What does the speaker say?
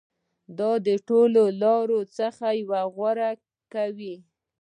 د ټولو حل لارو څخه یوه غوره کوي.